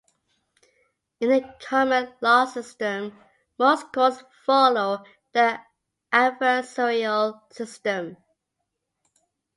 In the common law system, most courts follow the adversarial system.